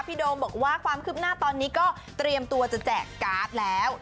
โดมบอกว่าความคืบหน้าตอนนี้ก็เตรียมตัวจะแจกการ์ดแล้ว